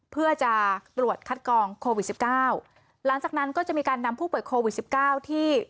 เพื่อจะตรวจคัดกองโควิดสิบเก้าหลังจากนั้นก็จะมีการนำผู้ป่วยโควิดสิบเก้าที่